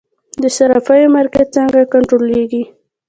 د صرافیو مارکیټ څنګه کنټرولیږي؟